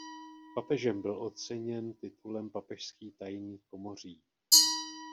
Papežem byl oceněn titulem papežský tajný komoří.